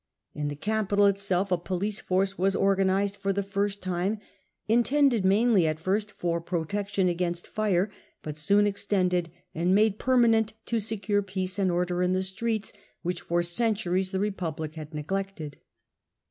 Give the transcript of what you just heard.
In the capital itself a police force was organized for the first time, in tended mainly at the first for protection against fire, but soon extended and made permanent to secure peace and order in the streets, which for centuries the Republic had neglected.